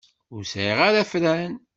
Ur sɛiɣ ara afran.